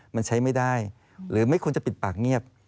มันใช้ไม่ได้หรือไม่ควรจะปิดปากเงียบ